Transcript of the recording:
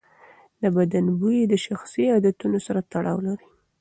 د بدن بوی د شخصي عادتونو سره تړاو لري.